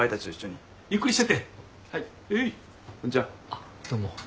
あっどうも。